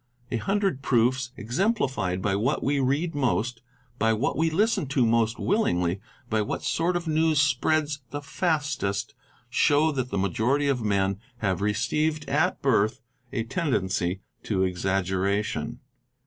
A hundred proofs, exemplified by what we read most, by what we listen to most willingly, by what sort of news spreads the fastest, show that the majority of men have received at birth a tendency to exaggeration.